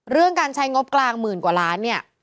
เรื่องการใช้งบกลางหมื่นกว่าล้านเนี่ย